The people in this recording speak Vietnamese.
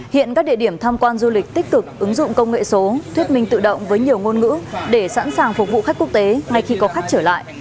hiện các địa điểm tham quan du lịch tích cực ứng dụng công nghệ số thuyết minh tự động với nhiều ngôn ngữ để sẵn sàng phục vụ khách quốc tế ngay khi có khách trở lại